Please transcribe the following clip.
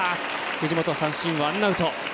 藤本、三振、ワンアウト。